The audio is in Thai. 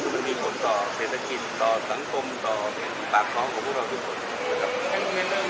ซึ่งมันมีผลต่อเศรษฐกิจตรงกรรมต่อปากคะของบุคคลทุกคน